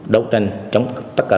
đấu tranh chống tất cả